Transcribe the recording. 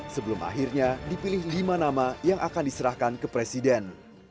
sebelum akhirnya dipilih lima nama yang akan diserahkan ke presiden